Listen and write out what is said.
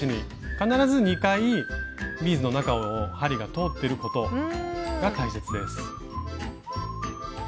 必ず２回ビーズの中を針が通ってることが大切です。